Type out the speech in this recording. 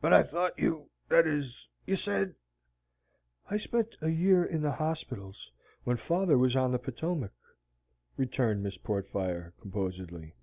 "But I thought you that is, you said " "I spent a year in the hospitals, when father was on the Potomac," returned Miss Portfire, composedly.